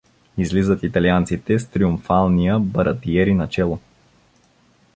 Излизат италианците с триумфалния Баратиери начело.